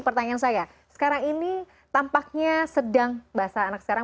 pertanyaan saya sekarang ini tampaknya sedang bahasa anak sekarang